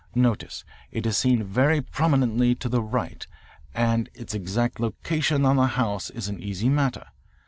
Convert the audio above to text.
"Notice. It is seen very prominently to the right, and its exact location on the house is an easy matter.